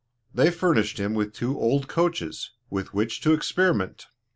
They furnished him with two old coaches, with which to experiment.